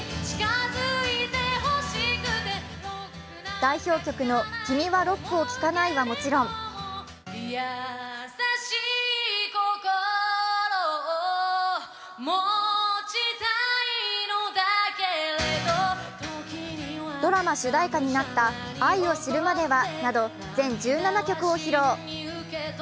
代表曲の「君はロックを聴かない」はもちろんドラマ主題歌になった「愛を知るまでは」など全１７曲を披露。